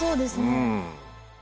うん。